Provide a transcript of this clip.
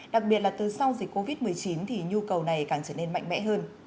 đặc biệt là từ sau dịch covid một mươi chín thì nhu cầu này càng trở nên mạnh mẽ hơn